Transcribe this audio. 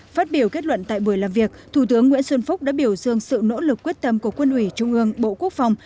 phát biểu kết luận tại buổi làm việc thủ tướng nguyễn xuân phúc đã biểu dương sự nỗ lực quyết tâm của quân ủy trung ương bộ quốc phòng